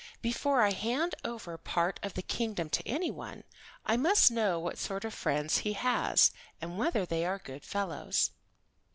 Before I hand over part of the kingdom to anyone, I must know what sort of friends he has, and whether they are good fellows.